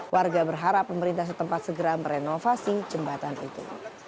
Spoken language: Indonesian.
warga berharap pemerintah setempat segera merenovasi jembatan itu